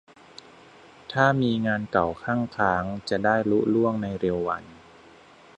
ถ้ามีงานเก่าคั่งค้างจะได้ลุล่วงในเร็ววัน